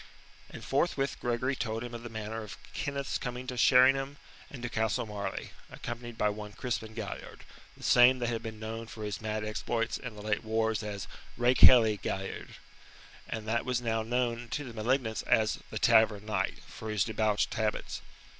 And forthwith Gregory told him of the manner of Kenneth's coming to Sheringham and to Castle Marleigh, accompanied by one Crispin Galliard, the same that had been known for his mad exploits in the late wars as "rakehelly Galliard," and that was now known to the malignants as "The Tavern Knight" for his debauched habits.